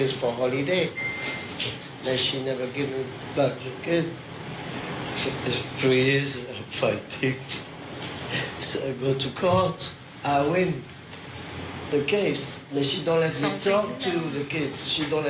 เธอรับสิ่งที่ให้พลักษณ์แล้วเธอไม่ให้พลักษณ์ให้พลักษณ์